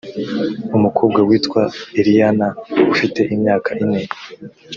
umukobwa witwa iliana ufite imyaka ine